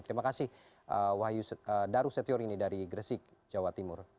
terima kasih wahyu darussetior ini dari gresik jawa timur